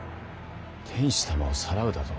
天子様をさらうだと？